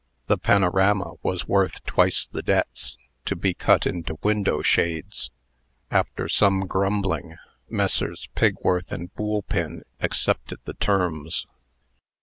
The panorama was worth twice the debts, to be cut into window shades. After some grumbling, Messrs. Pigworth and Boolpin accepted the terms.